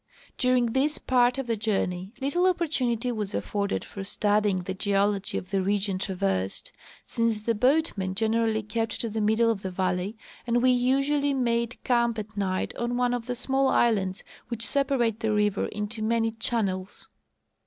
During this part of the journey little opportunity was aftbrded for studying the Modes of Travel and Transportcdion. 121 geology of the region traversed, since the boatmen generally kept to the middle of the valley and we usually made camp at night on one of the small islands which separate the river into many channels.